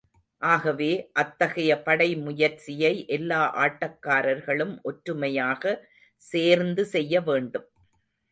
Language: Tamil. ஆகவே, அத்தகைய படை முயற்சியை எல்லா ஆட்டக்காரர்களும் ஒற்றுமையாக சேர்ந்து செய்ய வேண்டும்.